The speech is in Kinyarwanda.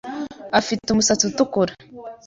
Afite umusatsi utukura